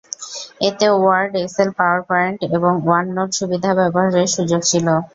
এতে Word, Excel, PowerPoint এবং OneNote সুবিধা ব্যবহারের সুযোগ ছিল।